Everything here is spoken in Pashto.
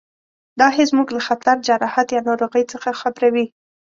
دا حس موږ له خطر، جراحت یا ناروغۍ څخه خبروي.